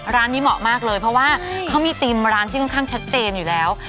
ร้านนี้เหมาะมากเลยเพราะว่าเขามีธีมร้านที่ค่อนข้างชัดเจนอยู่แล้ว